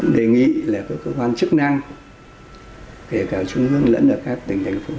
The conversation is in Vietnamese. đề nghị là các cơ quan chức năng kể cả trung ương lẫn ở các tỉnh thành phố